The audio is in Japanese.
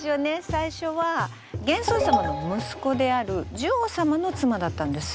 最初は玄宗様の息子である寿王様の妻だったんです。